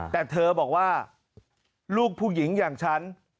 แต่เธอบอกว่าลูกผู้หญิงอย่างฉัน